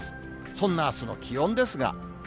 そんなあすの気温ですが。